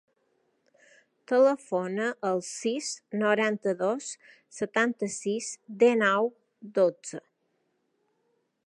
Telefona al sis, noranta-dos, setanta-sis, dinou, dotze.